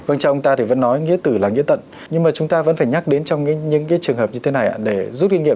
vâng cha ông ta thì vẫn nói nghĩa tử là nghĩa tận nhưng mà chúng ta vẫn phải nhắc đến trong những cái trường hợp như thế này để rút kinh nghiệm